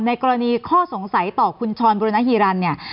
ในกรณีข้อสงสัยต่อคุณชอนบูรณหิรันด์เนี่ย